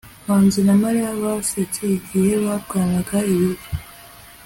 manzi na mariya basetse igihe barwanaga ibiryo